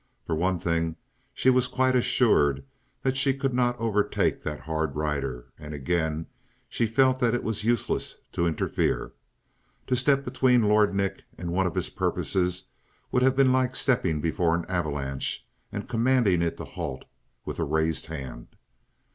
For one thing she was quite assured that she could not overtake that hard rider; and, again, she felt that it was useless to interfere. To step between Lord Nick and one of his purposes would have been like stepping before an avalanche and commanding it to halt with a raised hand.